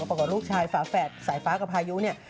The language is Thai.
กับลูกชายฝาแฝดสายฟ้ากับพายุเนี่ย